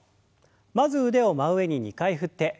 まず腕を真上に２回振って。